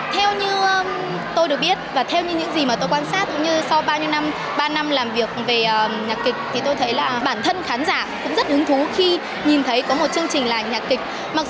theo như tôi được biết và theo như những gì mà tôi quan sát như sau bao nhiêu năm ba năm làm việc về nhạc kịch thì tôi thấy là bản thân khán giả cũng rất hứng thú khi nhìn thấy có một chương trình là nhạc kịch